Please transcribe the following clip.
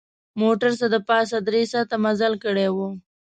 موټر څه د پاسه درې ساعته مزل کړی و.